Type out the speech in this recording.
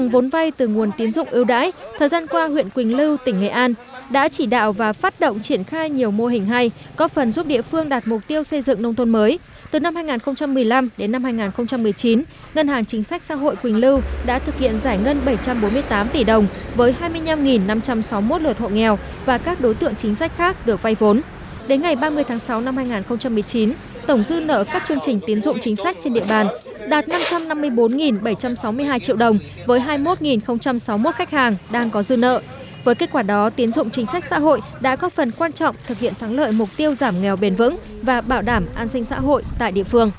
với kết quả đó tiến dụng chính sách xã hội đã có phần quan trọng thực hiện thắng lợi mục tiêu giảm nghèo bền vững và bảo đảm an sinh xã hội